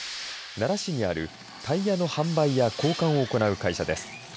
奈良市にあるタイヤの販売や交換を行う会社です。